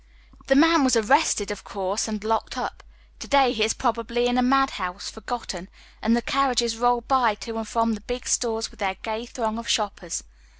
The man was arrested, of course, and locked up. To day he is probably in a mad house, foj gotten. And the can iages roll by to and from the big stores with their gay throng of shoppers.